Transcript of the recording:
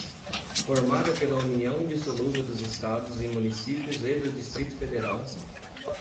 formada pela união indissolúvel dos Estados e Municípios e do Distrito Federal